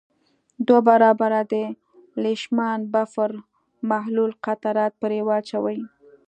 دوه برابره د لیشمان بفر محلول قطرات پرې واچوئ.